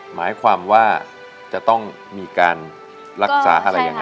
หมายความว่าจะต้องมีการรักษาอะไรยังไง